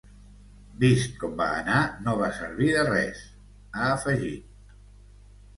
“Vist com va anar, no va servir de res”, ha afegit.